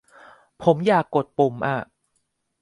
ผมอยากกดปุ่มอ่ะ